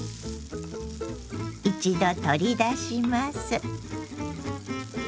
一度取り出します。